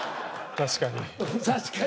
確かに。